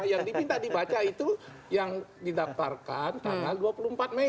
yang diminta dibaca itu yang didaftarkan tanggal dua puluh empat mei